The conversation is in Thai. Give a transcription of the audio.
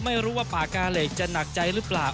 ไม่รู้ว่าปากกาเหล็กจะหนักใจหรือเปล่า